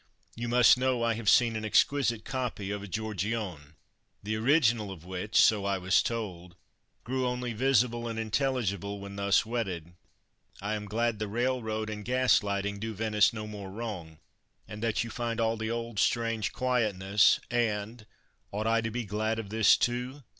(You must know I have seen an exquisite copy of a Giorgione, the original of which so I was told grew only visible and intelligible when thus wetted.) I am glad the railroad and gas lighting do Venice no more wrong, and that you find all the old strange quietness, and ought I to be glad of this, too?